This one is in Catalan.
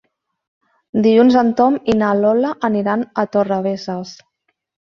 Dilluns en Tom i na Lola aniran a Torrebesses.